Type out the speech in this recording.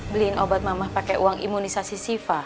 beliin obat mama pake uang imunisasi sifa